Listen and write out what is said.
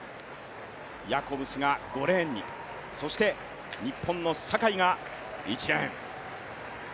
ヤコブスが５レーンにそして日本の坂井が１レーン。